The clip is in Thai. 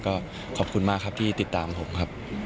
ก็ขอบคุณมากครับที่ติดตามผมครับ